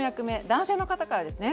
男性の方からですね。